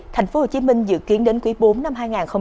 thành phố hồ chí minh dự kiến đến quý bốn năm hai nghìn hai mươi bốn